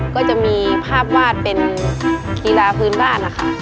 ก็จะมีภาพวาดเป็นกีฬาพื้นบ้านนะคะ